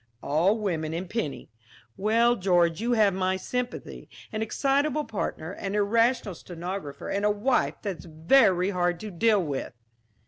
"All women and Penny. Well, George, you have my sympathy. An excitable partner, an irrational stenographer, and a wife that's very hard to deal with!"